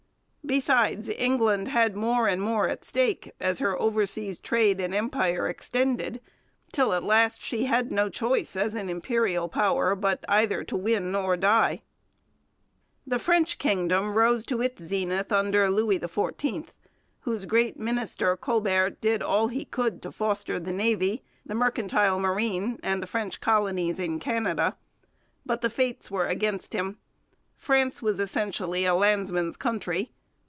Besides, England had more and more at stake as her oversea trade and empire extended, till at last she had no choice, as an imperial power, but either to win or die. The French kingdom rose to its zenith under Louis XIV, whose great minister, Colbert, did all he could to foster the Navy, the mercantile marine, and the French colonies in Canada. But the fates were against him. France was essentially a landsman's country.